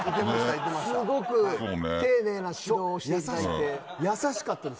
すごく丁寧な指導を優しかったです。